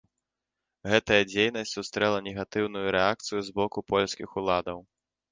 Гэтая дзейнасць сустрэла негатыўную рэакцыю з боку польскіх уладаў.